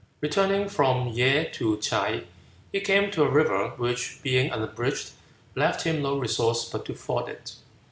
Returning from Ye to Ts'ae, he came to a river which, being unbridged, left him no resource but to ford it.